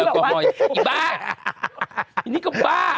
แอคจิ๊กแบบว่าอีบ้าอีนี่ก็บ้า